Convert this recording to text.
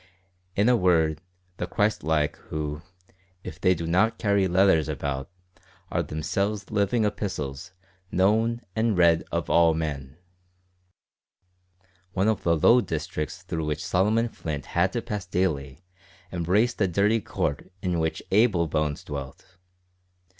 in a word, the Christ like, who, if they do not carry letters about, are themselves living epistles "known and read of all men?" One of the low districts through which Solomon Flint had to pass daily embraced the dirty court in which Abel Bones dwelt.